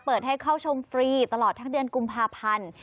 เปิดให้เข้าชมฟรีตลอดทั้งเดือนกุมภาพันธ์